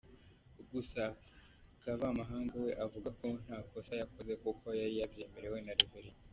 Gusa Kavamahanga we avuga ko nta kosa yakoze kuko yari yabyemerewe na Rev.